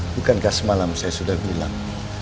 bukankah semalam saya sudah bilang